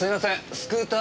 スクーター